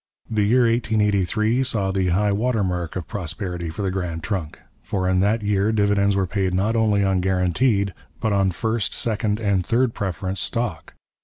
The year 1883 saw the high water mark of prosperity for the Grand Trunk; for in that year dividends were paid not only on guaranteed but on first, second, and third preference stock.